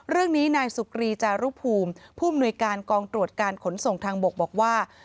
เรื่องนี้นายสุกรีจารุภูมิผู้อำนวยการกองตรวจการขนส่งทางบกบอกว่า